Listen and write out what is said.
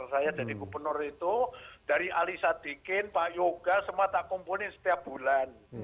saya jadi gubernur itu dari ali sadikin pak yoga semua tak kumpulin setiap bulan